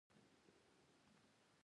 هلته مې ایښې یوه لجرمه د کتاب لاندې